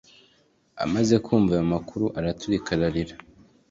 Amaze kumva ayo makuru araturika ararira